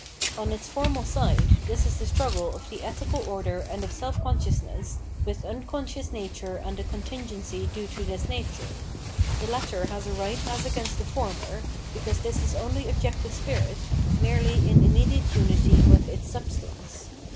On its formal side, this is the struggle of the ethical order and of self consciousness with unconscious nature and a contingency due to this nature. The latter has a right as against the former, because this is only objec tive spirit, merely in immediate unity with its substance.